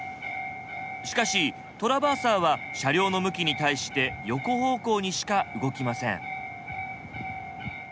しかしトラバーサーは車両の向きに対して横方向にしか動きません。